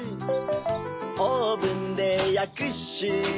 オーブンでやくッシュ。